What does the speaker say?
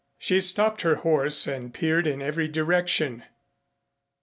She stopped her horse and peered in every direction.